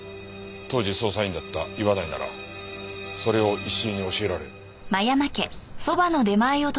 当時捜査員だった岩内ならそれを石井に教えられる。